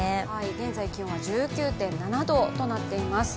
現在、気温は１９．７度となっています。